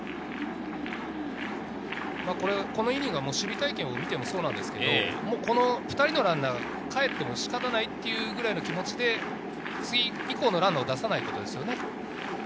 このイニングは守備隊形を見ても、２人のランナーがかえっても仕方ないというくらいの気持ちで次以降のランナーを出さないことですね。